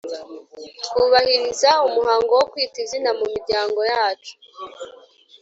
twubahiriza umuhango wo kwita izina mu miryango yacu,